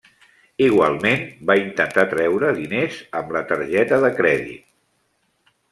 Igualment va intentar treure diners amb la targeta de crèdit.